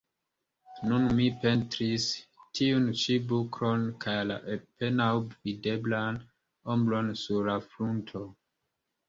Nun mi pentris tiun ĉi buklon kaj la apenaŭ videblan ombron sur la frunto.